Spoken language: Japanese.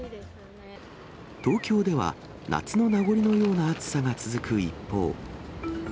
東京では、夏の名残のような暑さが続く一方。